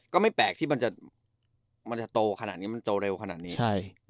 ก็ไม่แปลกที่มันจะโตขนาดนี้มันโตเร็วขนาดนี้